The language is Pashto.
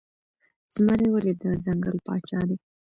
زمری ولې د ځنګل پاچا دی؟